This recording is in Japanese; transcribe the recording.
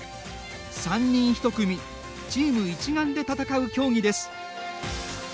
３人１組チーム一丸で戦う競技です。